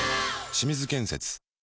清水建設